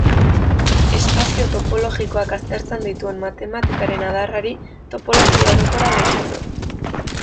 Espazio topologikoak aztertzen dituen matematikaren adarrari topologia orokorra deritzo.